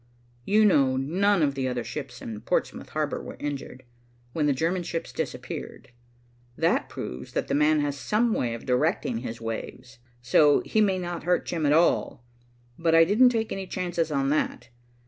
You know none of the other ships in Portsmouth harbor were injured, when the German ship disappeared. That proves that the man has some way of directing his waves. So he may not hurt Jim at all. But I didn't take any chances on that.